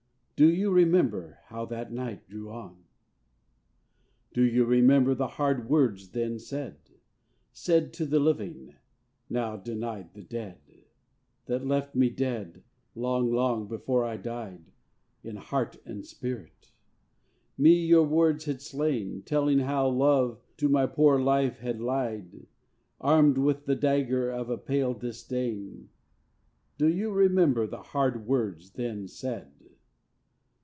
Do you remember how that night drew on? Do you remember the hard words then said? Said to the living, now denied the dead, That left me dead, long, long before I died, In heart and spirit? me, your words had slain, Telling how love to my poor life had lied, Armed with the dagger of a pale disdain. Do you remember the hard words then said?